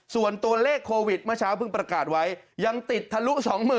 ส่วนตัวเลขโควิดเมื่อเช้าเพิ่งประกาศไว้ยังติดทะลุ๒๐๐๐